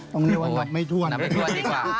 ต้องเรียกว่าไม่ทวนดีกว่าหนับไม่ทวน